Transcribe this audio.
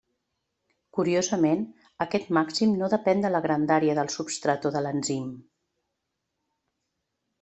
Curiosament, aquest màxim no depèn de la grandària del substrat o de l'enzim.